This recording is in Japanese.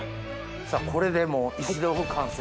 さぁこれでもう石豆富完成？